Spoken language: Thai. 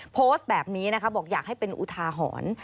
โพสต์แบบนี้นะคะบอกอยากให้เป็นอุทาหรณ์